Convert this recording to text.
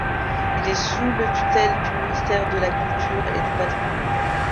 Il est sous le tutelle du Ministère de la Culture et du Patrimoine.